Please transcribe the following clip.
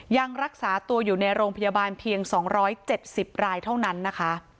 ยังรักษาตัวอยู่ในโรงพยาบาลเพียง๒๗๐รายเท่านั้นนะคะ